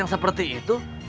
yang seperti itu